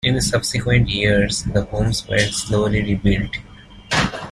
In the subsequent years, the homes were slowly rebuilt.